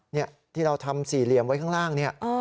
นี่ที่เราทำสี่เหลี่ยมไว้ข้างล่างเนี่ย